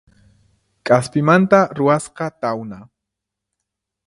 K'aspimanta ruwasqa tawna